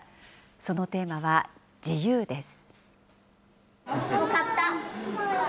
そのテーマは、自由です。